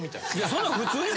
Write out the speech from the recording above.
そんなん普通に。